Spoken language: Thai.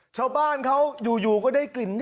ชาวบ้านเขาอยู่ก็ได้กลิ่น